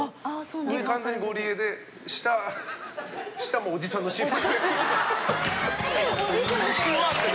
上は完全にゴリエで下はおじさんの私服。